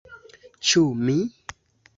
Ĉu mi!?